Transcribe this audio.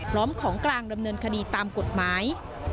พร้อมของกลางดำเนินคดีตามกฎหมาย